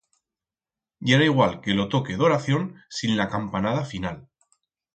Yera igual que lo toque d'oración sin la campanada final.